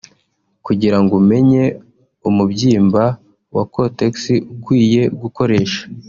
Kugira ngo umenye umubyimba wa cotex ukwiye gukoresha